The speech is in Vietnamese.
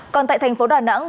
còn tại thành phố đà nẵng